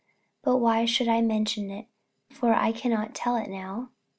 But why should I mention it, for I cannot tell it now?